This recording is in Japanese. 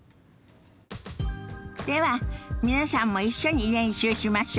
では皆さんも一緒に練習しましょ。